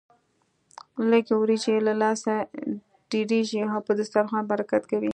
لږ وريجې يې له لاسه ډېرېږي او په دسترخوان برکت کوي.